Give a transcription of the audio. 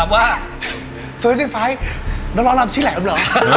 แล้วรอรับชิ้นแหลมเหรอ